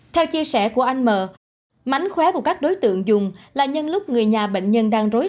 theo chia sẻ của anh mánh khóe của các đối tượng dùng là nhân lúc người nhà bệnh nhân đang rối